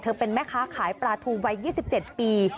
เป็นแม่ค้าขายปลาทูวัย๒๗ปี